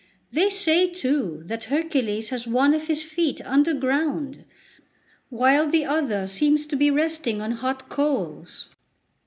They say, too, that Hercules has one of his feet underground, while the other seems to be resting on hot coals."